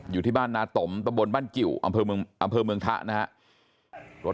อยู่ที่บ้านนาตมตะบนบ้านกิวอำเภอเมืองทะนะครับ